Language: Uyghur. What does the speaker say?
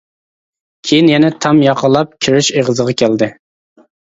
كىيىن يەنە تام ياقىلاپ كىرىش ئېغىزىغا كەلدى.